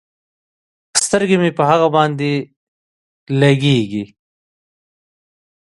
سترګې مې په هغه باندې لګېږي.